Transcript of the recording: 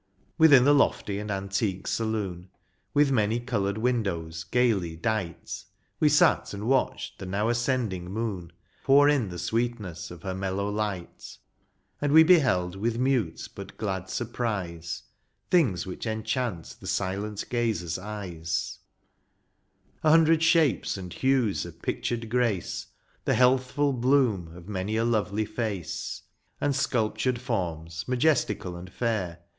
Within the lofty and antique saloon. With many coloured windows gaily dight, We sat and watched the now ascending moon Pour in the sweetness of her mellow light ; And we beheld with mute but glad surprise Things which enchant the silent gazer's eyes, A hundred shapes and hues of pictured grace. The healthful bloom of many a lovely face. And sculptured forms, majestical and fair.